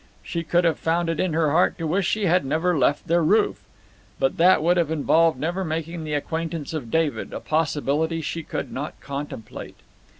She could have found it in her heart to wish she had never left their roof; but that would have involved never making the acquaintance of David, a possibility she could not contemplate.